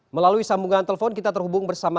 melalui sambungan telepon kita terhubung bersama